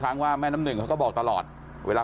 ความปลอดภัยของนายอภิรักษ์และครอบครัวด้วยซ้ำ